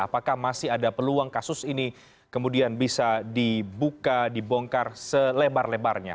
apakah masih ada peluang kasus ini kemudian bisa dibuka dibongkar selebar lebarnya